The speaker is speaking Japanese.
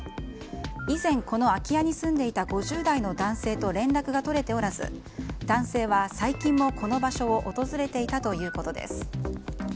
以前、この空き家に住んでいた５０代の男性と連絡が取れておらず男性は最近も、この場所を訪れていたということです。